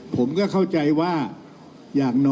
ผมก็เข้าใจว่า